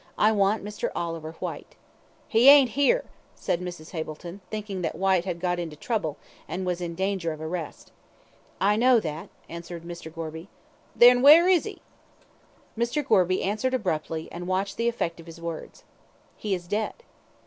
I want Mr. Oliver Whyte." "He ain't here," said Mrs. Hableton, thinking that Whyte had got into trouble, and was in danger of arrest. "I know that," answered Mr. Gorby. "Then where is 'e?" Mr. Gorby answered abruptly, and watched the effect of his words. "He is dead."